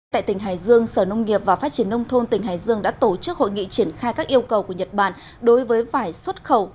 tại tỉnh hải dương sở nông nghiệp và phát triển nông thôn tỉnh hải dương đã tổ chức hội nghị triển khai các yêu cầu của nhật bản đối với vải xuất khẩu